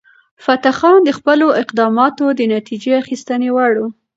فتح خان د خپلو اقداماتو د نتیجه اخیستنې وړ و.